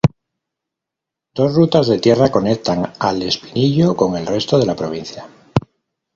Dos rutas de tierra conectan a El Espinillo con el resto de la provincia.